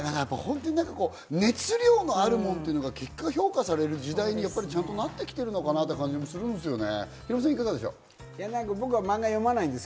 本当に熱量のあるものっていうのが結果、評価される時代にちゃんとなってきてるのかなって感じもするんですよね。